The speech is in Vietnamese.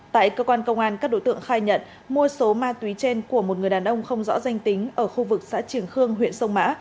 tại cơ quan công an các đối tượng khai nhận mua số ma túy trên của một người đàn ông không rõ danh tính ở khu vực xã trường khương huyện sông mã